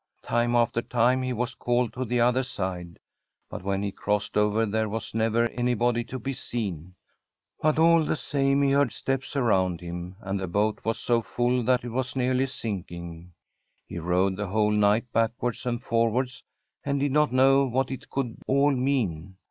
Time after time he was called to the other side, but when he crossed over there was never anybody to be seen. But all the same he heard steps around him, and the boat was so full that it was nearly sinking. He rowed the whole night backwards and foni^ards, and did not know what it could all mean.